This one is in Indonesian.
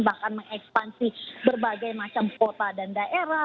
bahkan mengekspansi berbagai macam kota dan daerah